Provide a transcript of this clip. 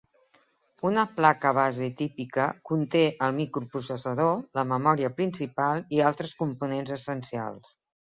Una placa base típica conté el microprocessador, la memòria principal i altres components essencials.